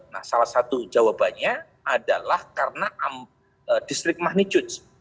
nah salah satu jawabannya adalah karena distrik magnitude